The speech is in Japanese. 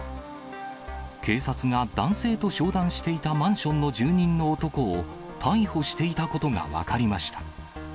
警察が男性と商談していたマンションの住人の男を逮捕していたことが分かりました。